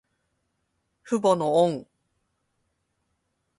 父母の恩。